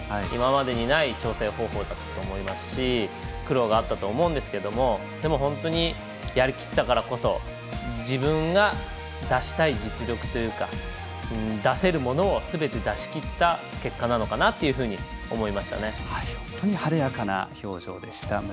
今までにない調整方法だったと思いますし苦労があったと思うんですがでも、本当にやりきったからこそ自分が出したい実力というか出せるものをすべて出し切った結果なのかなと本当に晴れやかな表情でした。